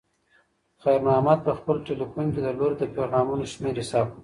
خیر محمد په خپل تلیفون کې د لور د پیغامونو شمېر حساب کړ.